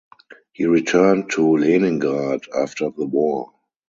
He returned to Leningrad after the war.